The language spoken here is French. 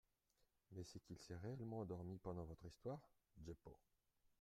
—mais c’est qu’il s’est réellement endormi pendant votre histoire, Jeppo.